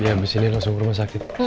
iya abis ini langsung ke rumah sakit